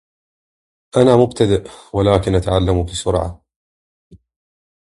انا مبتدأ ولكن اتعلم بسرعة